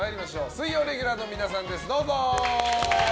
水曜レギュラーの皆さんです。